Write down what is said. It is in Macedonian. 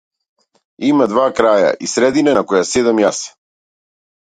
Има два краја и средина на која седам јас.